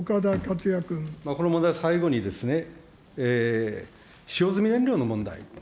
この問題、最後にですね、使用済み燃焼の問題。